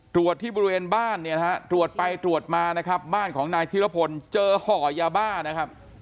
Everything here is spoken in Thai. ตรวจที่บริเวณบ้านเนี่ยนะฮะตรวจไปตรวจมานะครับบ้านของนายธิรพลเจอห่อยาบ้านะครับ